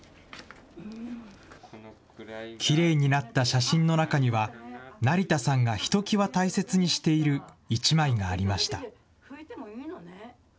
写真の中には、成田さんがひときわ大切にしている１枚がありました。